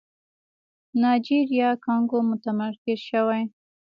نایجيريا کانګو متمرکز شوی.